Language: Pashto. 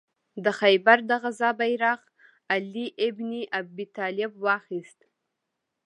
د خیبر د غزا بیرغ علي ابن ابي طالب واخیست.